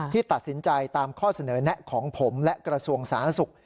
ตัดสินใจตามข้อเสนอแนะของผมและกระทรวงสาธารณสุข